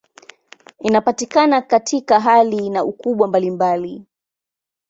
Inapatikana katika hali na ukubwa mbalimbali.